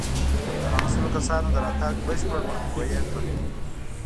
د نامسوولو کسانو د راتګ بشپړ مخنیوی یې کړی و.